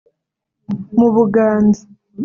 mu Buganza